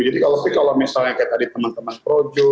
jadi kalau misalnya kayak tadi teman teman projo